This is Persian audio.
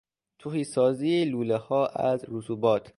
تهیسازی لولهها از رسوبات